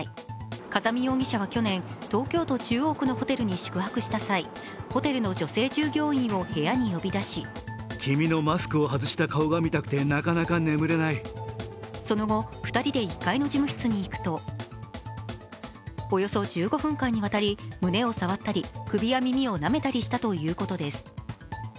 風見容疑者は去年、東京都中央区のホテルに宿泊した際ホテルの女性従業員を部屋に呼び出しその後、２人で１階の事務室に行くとおよそ１５分間にわたり胸を触ったり首や胸をなめたりしたということです。